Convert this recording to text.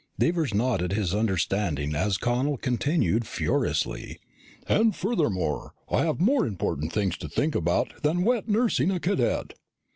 Devers nodded his understanding as Connel continued furiously, "And furthermore, I have more important things to think about than wet nursing a cadet."